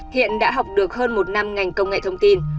hiện đã học được hơn một năm ngành công nghệ thông tin